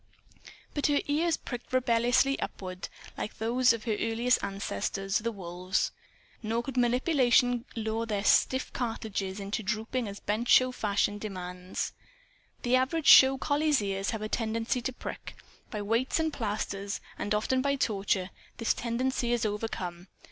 But her ears pricked rebelliously upward, like those of her earliest ancestors, the wolves. Nor could manipulation lure their stiff cartilages into drooping as bench show fashion demands. The average show collie's ears have a tendency to prick. By weights and plasters, and often by torture, this tendency is overcome.